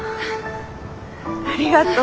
ありがとう。